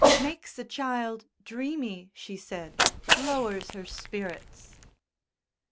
"Makes a child dreamy," she said; "lowers her spirits."